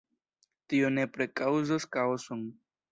Tio nepre kaŭzos kaoson.